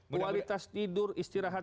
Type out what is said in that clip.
kualitas tidur istirahat